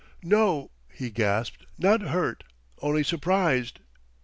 "No," he gasped; "not hurt only surprised.